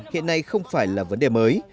hiện nay không phải là vấn đề mới